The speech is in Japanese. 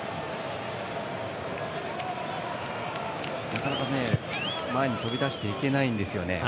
なかなか前に飛び出していけないんですよね。